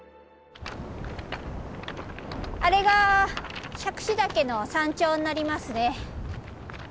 あれが杓子岳の山頂になりますね。